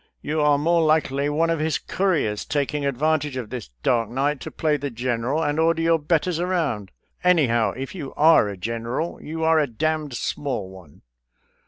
You are more likely one of his couriers, taking advantage of this dark night to play the general and order your betters around. Anyhow, if you are a general, you are a d d small one."